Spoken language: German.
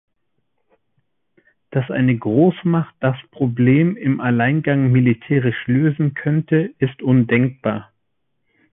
Dass eine Großmacht das Problem im Alleingang militärisch lösen könnte, ist undenkbar.